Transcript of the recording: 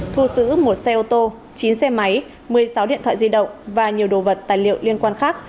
thu giữ một xe ô tô chín xe máy một mươi sáu điện thoại di động và nhiều đồ vật tài liệu liên quan khác